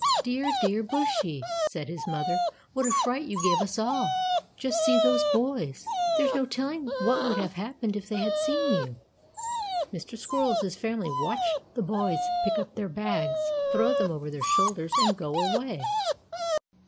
"Dear, dear Bushy," said his mother. "What a fright you gave us all. Just see those boys. There's no telling what would have happened if they had seen you." Mr. Squirrel's family watched the boys pick up their bags, throw them over their shoulders and go away.